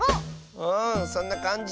うんそんなかんじ！